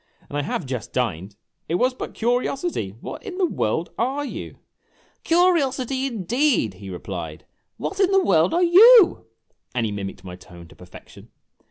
And I have just dined. It was but curiosity. What in the world are you ?"" Curiosity, indeed !" he replied. " What in the world are you ; And he mimicked my tone to perfection.